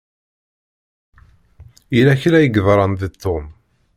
Yella kra i yeḍṛan d Tom.